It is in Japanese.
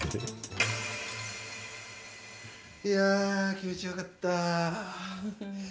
いやー、気持ちよかった。